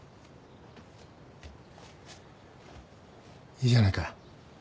いいじゃないか。